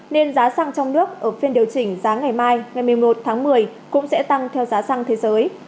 nên giá xăng trong nước ở phiên điều chỉnh giá ngày mai ngày một mươi một tháng một mươi cũng sẽ tăng theo giá xăng thế giới